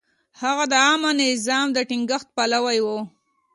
هغه د عامه نظم د ټینګښت پلوی و.